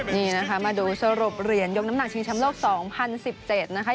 นี่นะคะมาดูสรุปเหรียญยกน้ำหนักชิงชำโลก๒๐๑๗นะคะ